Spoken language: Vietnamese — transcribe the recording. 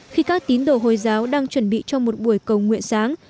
khi các tín đồ hồi giáo đang chuẩn bị cho một buổi cầu nguyện sáng